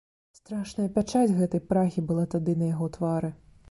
Страшная пячаць гэтай прагі была тады на яго твары.